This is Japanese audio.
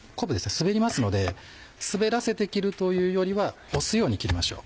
滑りますので滑らせて切るというよりは押すように切りましょう。